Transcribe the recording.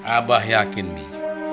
abah yakin nih